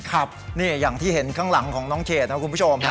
ครับนี่อย่างที่เห็นข้างหลังของน้องเขตนะคุณผู้ชม